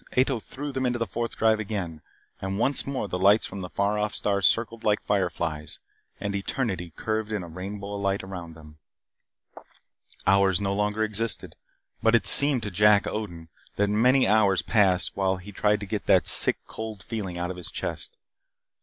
Ato threw them into the Fourth Drive again. And once more the lights from the far off stars circled like fireflies. And eternity curved in a rainbow of light about them. Hours no longer existed, but it seemed to Jack Odin that many hours passed while he tried to get that sick, cold feeling out of his chest.